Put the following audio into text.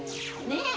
ねえ？」